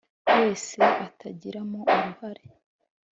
Wese atagiramo uruhare